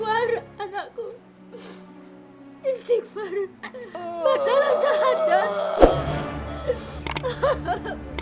anakku anakku jangan ribu